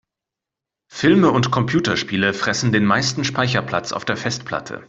Filme und Computerspiele fressen den meisten Speicherplatz auf der Festplatte.